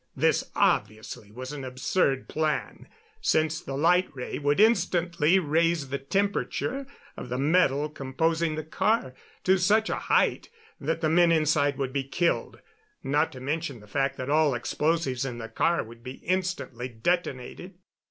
This obviously was an absurd plan, since the light ray would instantly raise the temperature of the metal composing the car to such a height that the men inside would be killed not to mention the fact that all explosives in the car would be instantly detonated.